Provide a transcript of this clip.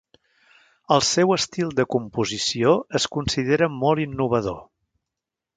El seu estil de composició es considera molt innovador.